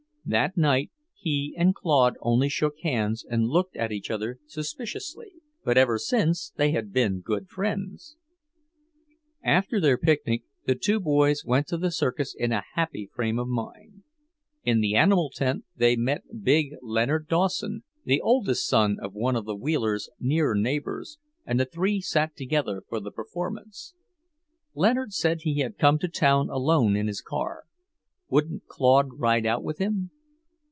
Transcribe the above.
That night he and Claude only shook hands and looked at each other suspiciously, but ever since they had been good friends. After their picnic the two boys went to the circus in a happy frame of mind. In the animal tent they met big Leonard Dawson, the oldest son of one of the Wheelers' near neighbours, and the three sat together for the performance. Leonard said he had come to town alone in his car; wouldn't Claude ride out with him?